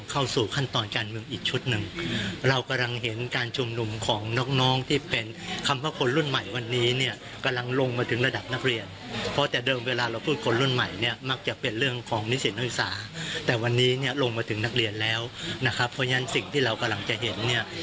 พวกเขาคุณก็ยังจะเห็นผมนี่